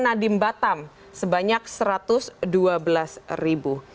dan juga nadiem batam sebanyak satu ratus dua belas ribu